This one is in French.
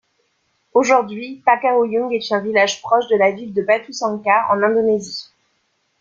Aujourd'hui, Pagaruyung est un village proche de la ville de Batusangkar, en Indonésie.